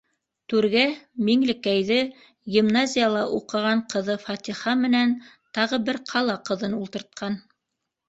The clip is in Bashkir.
Түргә Миңлекәйҙе, гимназияла уҡыған ҡыҙы Фатиха менән тағы бер ҡала ҡыҙын ултыртҡан.